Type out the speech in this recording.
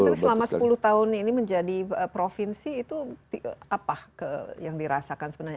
tapi selama sepuluh tahun ini menjadi provinsi itu apa yang dirasakan sebenarnya